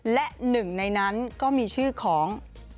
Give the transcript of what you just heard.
และหนึ่งในนั้นก็มีชื่อของ